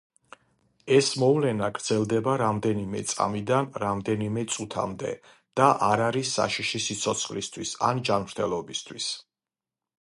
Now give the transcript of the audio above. ეს მოვლენა გრძელდება რამდენიმე წამიდან რამდენიმე წუთამდე და არ არის საშიში სიცოცხლისთვის ან ჯანმრთელობისთვის.